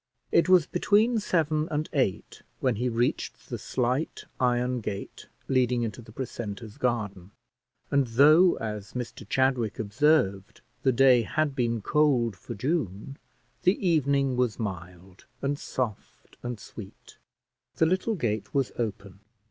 It was between seven and eight when he reached the slight iron gate leading into the precentor's garden, and though, as Mr Chadwick observed, the day had been cold for June, the evening was mild, and soft, and sweet. The little gate was open.